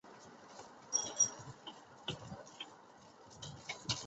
西里斯则隐含对啤酒的享受。